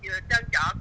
vừa trơn trợ